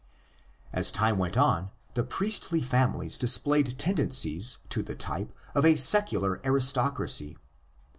As time went on the priestly families displayed tendencies to the type of a secular aristocracy.